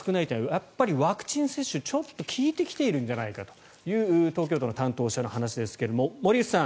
やっぱりワクチン接種、ちょっと効いてきているんじゃないかと東京都の担当者の話ですが森内さん